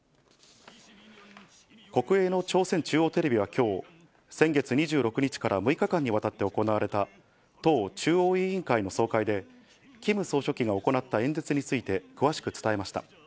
国営の朝鮮中央テレビはきょう、先月２６日から６日間にわたって行われた党中央委員会の総会で、キム総書記が行った演説について詳しく伝えました。